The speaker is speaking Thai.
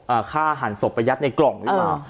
อ่ะฆ่าหั่นศพไปยัดในกล่องรึเปล่า